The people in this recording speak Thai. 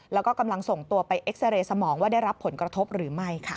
แล้วก็กำลังส่งตัวไปเอ็กซาเรย์สมองว่าได้รับผลกระทบหรือไม่ค่ะ